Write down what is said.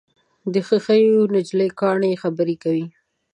د ښیښو نجلۍ کاڼي خبرې کوي.